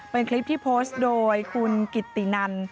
เป็นคลิปที่โพสต์โดยคุณกิตตินัน